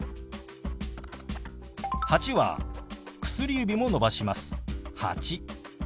「８」は薬指も伸ばします。